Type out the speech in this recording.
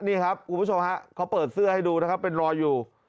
นี่ครับคุณผู้ชมฮะเขาเปิดเสื้อให้ดูนะครับเป็นรอยอยู่